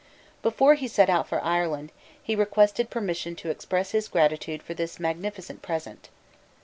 Before he set out for Ireland, he requested permission to express his gratitude for this magnificent present.